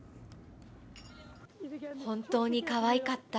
本当にかわいかった。